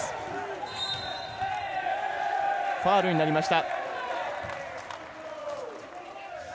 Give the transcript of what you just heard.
ファウルになりました。